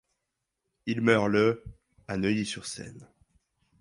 Il meurt le à Neuilly-sur-Seine.